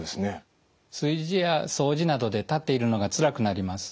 炊事や掃除などで立っているのがつらくなります。